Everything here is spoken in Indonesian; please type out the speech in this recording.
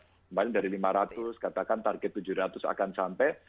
kembali dari lima ratus katakan target tujuh ratus akan sampai